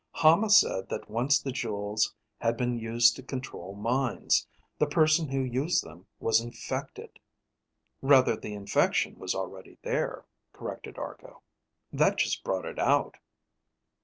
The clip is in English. "Hama said that once the jewels had been used to control minds, the person who used them was infected " "Rather the infection was already there," corrected Argo. "That just brought it out."